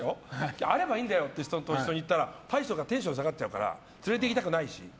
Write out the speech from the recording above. あればいいんだよという人と一緒に行ったら、大将がテンション下がっちゃうから連れていきたくないし。